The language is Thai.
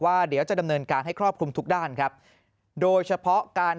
เดี๋ยวจะดำเนินการให้ครอบคลุมทุกด้านครับโดยเฉพาะการ